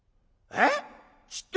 えっ！